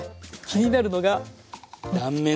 気になるのが断面！